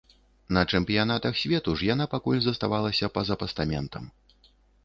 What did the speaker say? На чэмпіянатах свету ж яна пакуль заставалася па-за пастаментам.